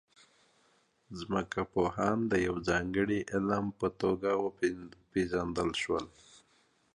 ځمکپوهنه د یو ځانګړي علم په توګه وپیژندل سوه.